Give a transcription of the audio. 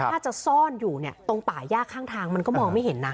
ถ้าจะซ่อนอยู่เนี่ยตรงป่าย่าข้างทางมันก็มองไม่เห็นนะ